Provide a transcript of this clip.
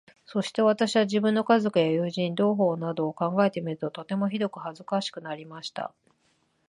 そして私は、自分の家族や友人、同胞などを考えてみると、とてもひどく恥かしくなりました。